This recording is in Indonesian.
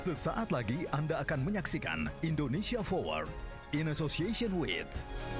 sesaat lagi anda akan menyaksikan indonesia forward in association with